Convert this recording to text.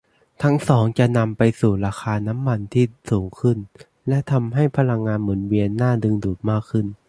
ทั้งสองจะนำไปสู่ราคาน้ำมันที่สูงขึ้นและทำให้พลังงานหมุนเวียนน่าดึงดูดมากขึ้น